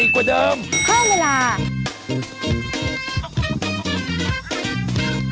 เผื่อเวลา